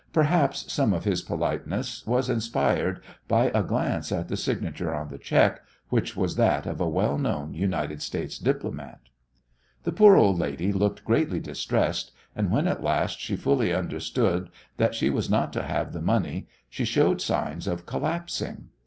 Perhaps some of his politeness was inspired by a glance at the signature on the cheque, which was that of a well known United States diplomat. The poor old lady looked greatly distressed, and when at last she fully understood that she was not to have the money she showed signs of collapsing.